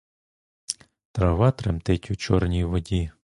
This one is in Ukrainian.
Трава тремтить у чорній воді.